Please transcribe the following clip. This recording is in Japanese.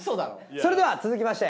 それでは続きまして。